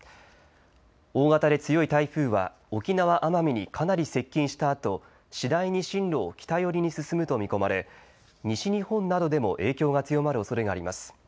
大型で強い台風は沖縄・奄美にかなり接近したあと、次第に進路を北寄りに進むと見込まれ西日本などでも影響が強まるおそれがあります。